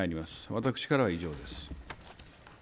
私からは以上です。